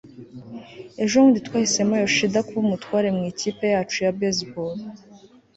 Ejo bundi twahisemo Yoshida kuba umutware mu ikipe yacu ya baseball